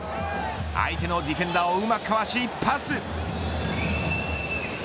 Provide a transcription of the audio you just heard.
相手のディフェンダーをうまくかわし、パス。